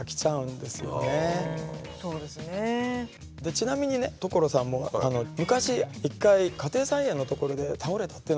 ちなみにね所さんも昔一回家庭菜園の所で倒れたっていう。